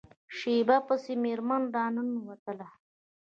شیبه پس میرمن را ننوتله.